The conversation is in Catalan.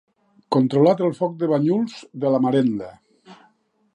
Controlat el foc de Banyuls de la Marenda.